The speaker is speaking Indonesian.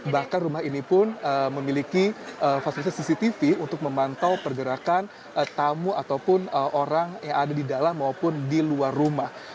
bahkan rumah ini pun memiliki fasilitas cctv untuk memantau pergerakan tamu ataupun orang yang ada di dalam maupun di luar rumah